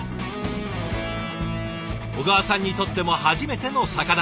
小川さんにとっても初めての魚。